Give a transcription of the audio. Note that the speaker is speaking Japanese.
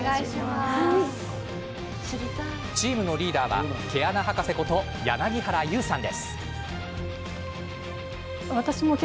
チームのリーダーは毛穴博士こと、柳原優さん。